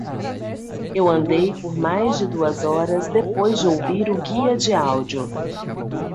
Eu andei por mais de duas horas depois de ouvir o guia de áudio.